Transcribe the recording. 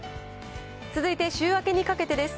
続いて週明けにかけてです。